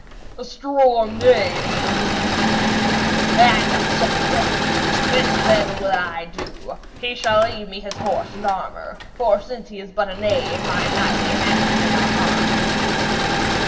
'A strong knave, in truth,' answered the knight, 'and a saucy one. Then this will I do. He shall leave me his horse and armour, for since he is but a knave, my knightly hands may not harm him.'